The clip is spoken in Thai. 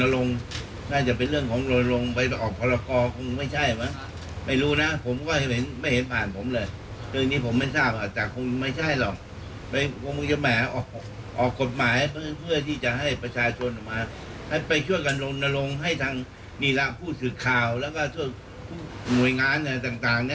แล้วช่วยกันลงนัดลงให้ทางมีรัมผู้สื่อข่าวจุดโม้ยงานต่าง